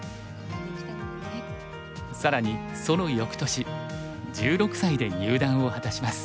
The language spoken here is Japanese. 更にその翌年１６歳で入段を果たします。